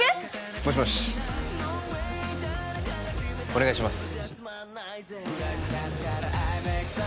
もしもしお願いします